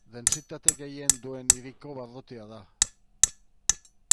Dentsitate gehien duen hiriko barrutia da.